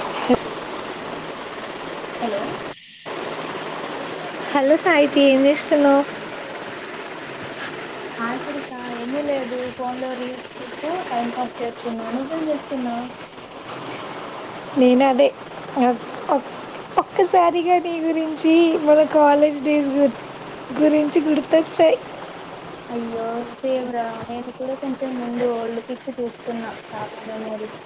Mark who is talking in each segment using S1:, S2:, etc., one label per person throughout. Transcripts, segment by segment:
S1: హ
S2: hello
S1: hello సయిటీ ఏంస్న
S2: హయ శరీష ఏమీ లేదు ఫోన్ లో రీల్స్ చూ టైం పాస్ చేస్తున్నా నువ్వేం చేస్తున్నావు
S1: నీనా అదే ఓే ఓకే ఒక సారిగారి గురి వంచి మన కాలేజ్ డేస్ గు గురించి గుర్తొచ్చాయి
S2: అయ్యో సేవ్రా నేను కూడా కొంచెం ముందు ఒళ్ళు పిక్చ్చి చూస్త న్న చాల్డ్ మెమోరీస్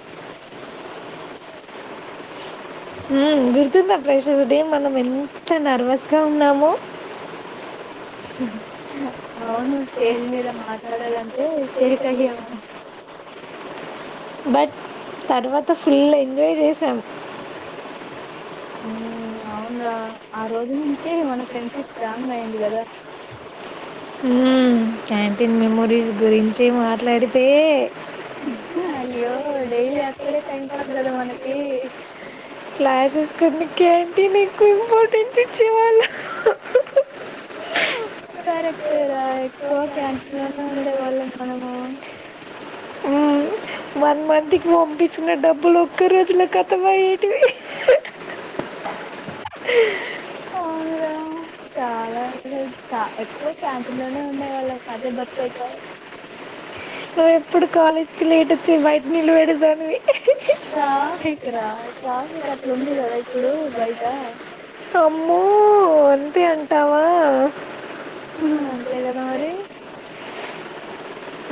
S1: ఉమ్ గుర్తుంధా ప్ర టీ మనం ఎ ఎంత నర్వస్ గా ఉన్నాము
S2: హు హు హా అవును స్టేజ్ మీద మాట్లాడాలంటే షేక్ అయ్యాము
S1: బట్ తర్వాత ఫుల్ అయి ఎంజోయ్ చేసాం
S2: ఉమ్ అవునురా ఆ రోజు నుంచే మన ఫ్రెండ్షిప్ స్ట్రాంగ్ అయింది కదా
S1: ఉమ్ క్యాంటీన్ మెమోరీస్ గురించి మాట్లాడితే
S2: హు హా అయ్యో డైలీ అక్కడే టైం పాస్ కదా మనకి
S1: క్లాసెస్ కన్ క్యాంటీన్ ఎకువ ఇంపార్టెంట్ ఇచ్చేలా
S2: కరెక్ట్ ఏరా ఎక్కువ క్యాంట్లోనే ఉండే వాళ్ళం మనము
S1: ఉమ్ వన్ మంత్ కి పంపించిన డబ్బులు ఒక్క రోజులో కతమ్ అయెటివి
S2: అవును రా చాలా రోజులు చ ఎక్కువ క్యాంటీన్ లోనే ఉండే వాళ్ళం అధే బతుకు అయ్
S1: నువ్వు ఎప్పుడు కాలేజ్కి లేట్ వచ్చి బయట నిలబడేదానివి
S2: ట్రాఫిక్ రా ట్రాఫిక్ అట్లా ఉంది కదా ఇప్పుడు బయట
S1: అమ్మో అంతే అంటావా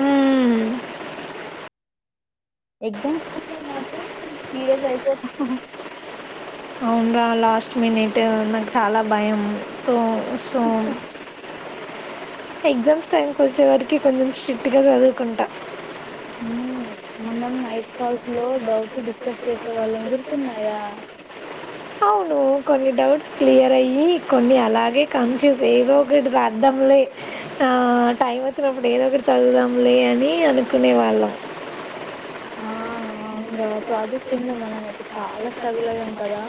S1: ఉమ్మ్
S2: ఎగ్జామ్స్ [unintelligible] సీరియల్స్ అయిపోతున్న
S1: అవును రా లాస్ట్ మినిట్ నాకు చాలా భయం తో సో ఎగ్జామ్స్ టైం కి వచ్చే వరకి కొంచెం స్ట్రిక్ట్ గా చదువుకుంటా
S2: ఉమ్ మనం నైట్ కాల్స్ లో డౌట్ డిస్కస్ చేసే వాళ్ళం గుర్తున్నాయా
S1: అవును కొన్ని డౌట్స్ క్లియర్ అయ్యి కొన్ని అలాగే కన్ఫ్యూజ్ ఏదో ఒకటి రాద్దాంలే ఆ టైం వచ్చినప్పుడు ఏదో ఒకటి చదువుదాంలే అని అనుకునే వాళ్ళం
S2: ఆ అ అవున్రా ప్రాజెక్ట్ంగ్ మనం చాలా స్ట్రగుల్ అయ్యాం కదా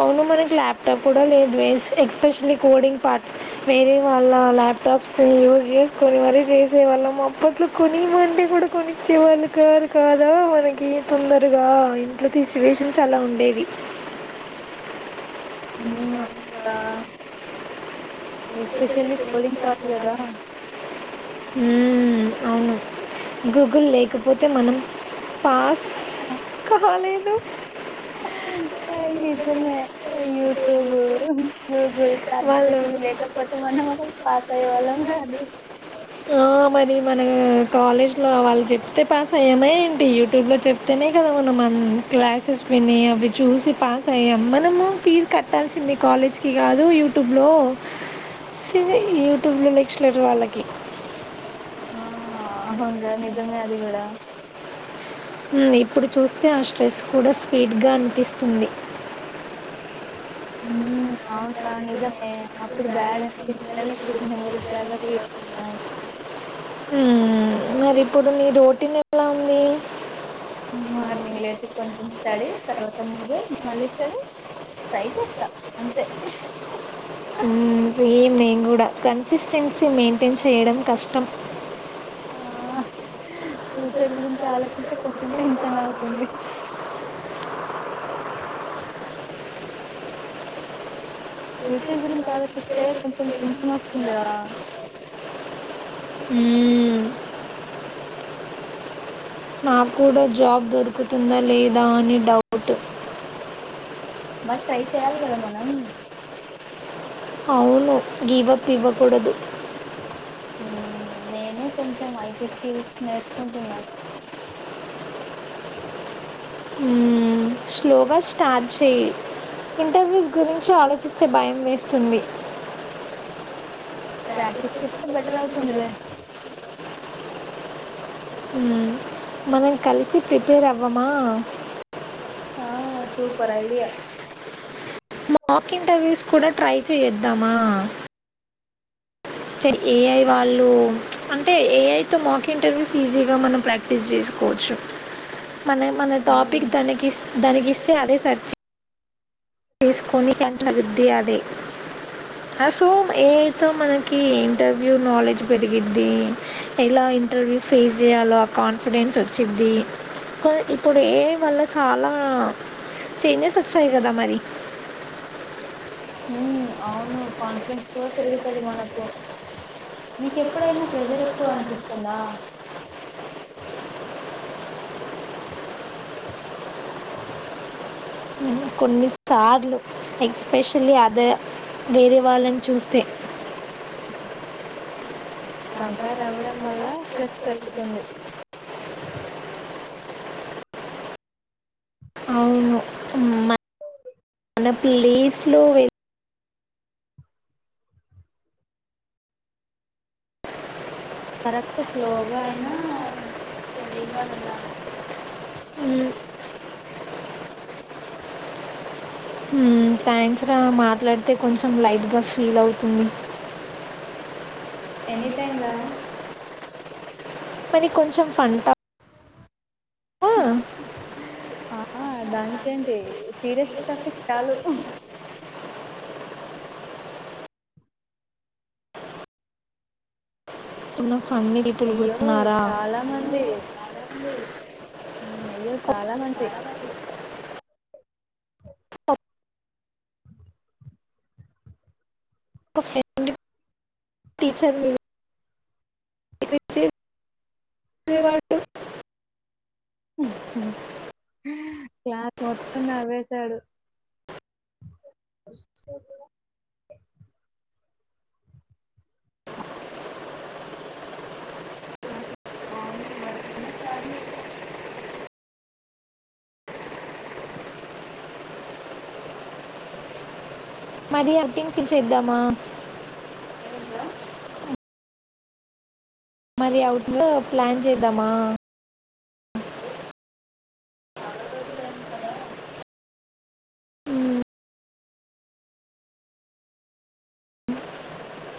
S1: అవును మనకి ల్యాప్టాప్ కూడా లేదు ఎస్పెషల్లీ లీ కోడింగ్ పాట్ వేరే వాళ్ళ ల్యాప్టాప్స్ని యూస్ చేసుకొని మరీ చేసేవాళ్ళం అప్పట్లో కొనిమ్మంటే కూడా కొనిచ్చేవాళ్ళు కాదు కదా మనకి తొందరగా ఇంట్లో తీసు సిట్యుయేషన్స్ అలా ఉండవి
S2: ఉమ్ అక్క ఎస్పెషల్లీ కోడింగ్ పార్ట్ కదా
S1: మ్మ్, అవును గూగుల్ లేకపోతే మనం పాస్ కాలేదు
S2: నిజమే యూట్యూబ్ హమ్
S1: వాళ్ళు
S2: గూగుల్ లేకపోతే మనం పాస్ అయే వాళ్ళం కాదు
S1: అలో వాళ్ళు చెప్తే పాస్ అయ్యామా ఏంటి యూట్యూబ్లో చెప్తేనే కదా మనం మ క్లాసెస్ విని అవి చూసి పాస్ అయ్యాము మనము ఫీజు కట్టాల్సింది కాలేజ్కి కాదు యూటూ టుుబ్లో సివే యూట్యూబ్ లో స్లేటర్ వాళ్ళకి
S2: ఆ అవుంద నిజమే అది కూడా
S1: ఉమ్ ఇప్పుడు చూస్తే ఆ స్ట్రెస్ కూడా స్పీట్ గా అనిపిస్తుంది
S2: హూమ్ అవును క నిజమే అప్పుడు బ్యాడ్ అనిపించ ఇప్పుడు మెమోరీస్ లాగా ఫ అ
S1: ఉమ్ మరి పదు నీ రోటిన్ ఎలా ఉంది
S2: మార్నింగ్ లేచి కొంచెం స్టడీ తర్వాత మొబైల్ మళ్ళీ స్టడీ ట్రై చేస్తా అంతే
S1: ఉమ్ సేమ్ నేను కూడా కన్సిస్టెన్సీ మెయింటైన్ చేయడం కష్టం
S2: ఆ ఫ్యూచర్ గురించి ఆలోచిస్తే కొంచెం టెన్షన్ అవుతుంది ఫ్యూచర్ గురించి ఆలోచిస్తే కొంచెం టెన్షన్ వస్తుందిరా
S1: హ్మ్. నా కూడా జాబ్ దొరుకుతుందా లేదా అని డౌట్
S2: బట్ ట్రై చెయాలి కదా మనం
S1: అవును గీవ పీవకూడదు
S2: నేను కొంచెం ఐటీ స్కిల్స్ నేర్చుకుంటున్నాను
S1: ఉమ్ స్లోగా స్టార్ట్ చే్య ఇంటర్వ్యూస్ గురించి ఆలోచిస్తే భయం వేస్తుంది
S2: ప్రాక్టీీస్ చేస్తే బెటర్ అవుతుందిలే
S1: ఉమ్ మనం కలిసి ప్రిపేర్ అవ్వమా
S2: ఆ సూపర్ ఐడియా
S1: మాక్ ఇంటర్వ్యూస్ కూడా ట్రై చేయద్దామా ఏఐ వాళ్ళు అంటే ఏఐతో మాక్ ఇంటర్వ్యూస్ ఈజీగా మనం ప్రాక్టీస్ చేసుకోవచ్చు మన మన టాపిక్
S2: హ్మ్
S1: దనికిస్ దానినికిస్తే అదే సెర్చ్ చేయి తీసుకొని కంటద్ది అదే సో ఏ అయితే మనకి ఇంటర్వ్యూ నాలెడ్జ్ పెరిగిది ఎలా ఇంటర్వ్యూ ఫేస్ చేయాలో ఆ కాన్ఫిడెన్స్ వచ్చిద్ంది ఇప్పుడు ఏ వల్ల చాలా చెైనే స్వచ్చాయి కదా మరి
S2: హ అవును కాన్ఫిడెన్స్ వ పెరుగుతది కూడా తిరుగుతుంది మనకు నీక్ ఎప్పుడైనా ప్రెజర్ ఎక్కువ అనిపిస్తుందా
S1: కొన్నిసార్లు ఎక్స్పెషల్లీ అద వేరే వాళ్ళని చూస్తే
S2: కంకార్ అవ్వడం వల్ల స్ట్రెస్ పెరుగుతుంది
S1: అవును ఉమ్ మా న ప్లీస్ లో వెల్
S2: కరెక్ట్ స్లోగా అయినా
S1: థ్యాంక్స్ రా మాట్లాడితే కొంచెం లైట్గా ఫీల్ అవుతుంది
S2: ఎనీ టైం రా
S1: మరీ కొంచెం ఫఅన్ టా
S2: ఆ దానికేంటి సీరియస్ అఫెక్ట్ చాలు
S1: తిన్నాం
S2: అయ్యో చాలా మంది
S1: మే
S2: హ్మ్మ్ అయ్యో చాలా మంది
S1: [unintelligible] టీచర్ [inaudible]
S2: క్లాస్ మొత్తం నవ్వేశాడు
S1: మాది అర్థంకి చేద్దామా మాది అవుట్ లో ప్లాన్ చేద్దామా